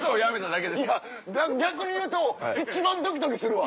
いや逆にいうと一番ドキドキするわ。